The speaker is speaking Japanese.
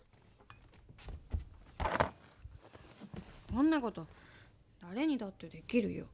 こんな事誰にだってできるよ。